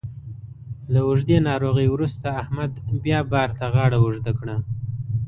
له اوږدې ناروغۍ وروسته احمد بیا بار ته غاړه اوږده کړه.